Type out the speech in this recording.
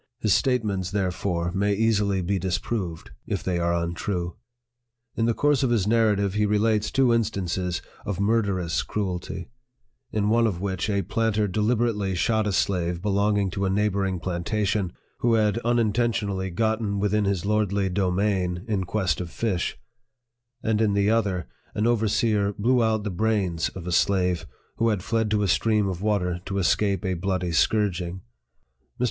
His statements, therefore, may easily be dis proved, if they are untrue. In the course of his Narrative, he relates two in stances of murderous cruelty, in one of which a planter deliberately shot a slave belonging to a neigh boring plantation, who had unintentionally gotten with in his lordly domain in quest of fish ; and in the other, an overseer blew out the brains of a slave who had fled to a stream of water to escape a bloody scourging. Mr.